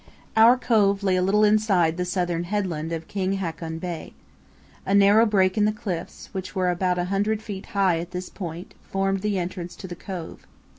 Our cove lay a little inside the southern headland of King Haakon Bay. A narrow break in the cliffs, which were about a hundred feet high at this point, formed the entrance to the cove.